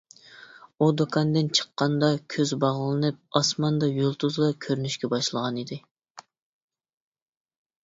ئۇ دۇكاندىن چىققاندا كۆز باغلىنىپ، ئاسماندا يۇلتۇزلار كۆرۈنۈشكە باشلىغانىدى.